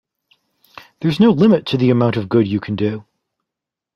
There's no limit to the amount of good you can do.